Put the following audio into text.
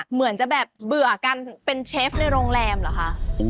เหมือนจะแบบเบื่อกันเป็นเชฟในโรงแรมเหรอคะ